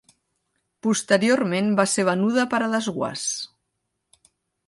Posteriorment va ser venuda per a desguàs.